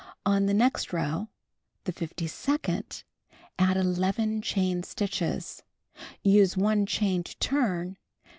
On the next row (the fifty second) add 11 chain stitches. Use 1 chain to turn.